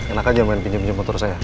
enak aja main pinjam pinjam motor saya